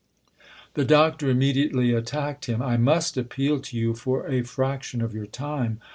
The Doctor immediately attacked him. " I must appeal to you for a fraction of your time.